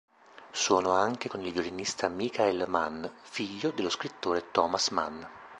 Suonò anche con il violista Michael Mann, figlio dello scrittore Thomas Mann.